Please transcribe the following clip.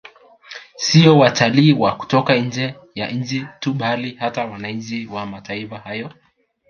Siyo watalii wa kutoka nje ya nchi tu bali hata wananchi wa mataifa hayo